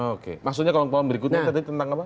oke maksudnya kolom kolom berikutnya itu tentang apa